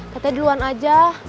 tetep duluan aja